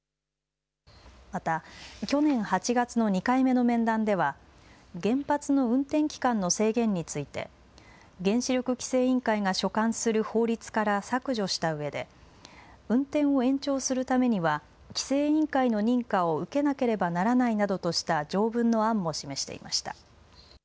また去年８月の２回目の面談では原発の運転期間の制限について原子力規制委員会が所管する法律から削除したうえで運転を延長するためには規制委員会の認可を受けなければならないなどとした条文の案も示していました。